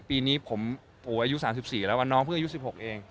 ปีนี้ผมอายุ๓๔แล้วน้องเพิ่งอายุ๑๖เอง